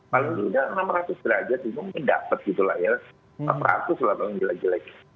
paling tidak enam ratus derajat itu mendapat